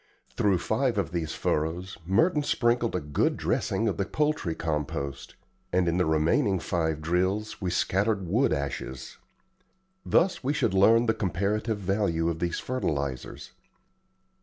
Through five of these furrows Merton sprinkled a good dressing of the poultry compost, and in the remaining five drills we scattered wood ashes. Thus we should learn the comparative value of these fertilizers.